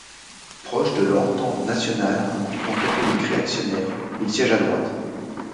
Proche de l'Entente nationale, un groupement catholique réactionnaire, il siège à droite.